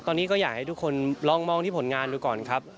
ตอนนี้ก็อยากให้ทุกคนลองมองที่ผลงานดูก่อนครับ